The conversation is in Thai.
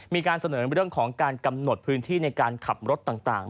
มีการเสนอเรื่องของการกำหนดพื้นที่ในการขับรถต่าง